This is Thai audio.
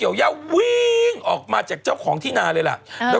วิ้งออกมาจากเจ้าของที่นาเลยแหละ